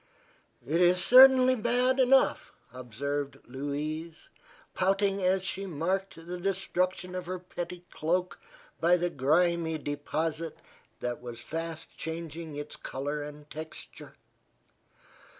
"It is certainly bad enough," observed Louise, pouting as she marked the destruction of her pretty cloak by the grimy deposit that was fast changing its color and texture.